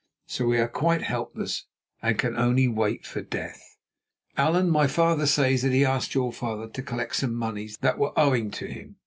So we are quite helpless, and can only wait for death. "Allan, my father says that he asked your father to collect some monies that were owing to him.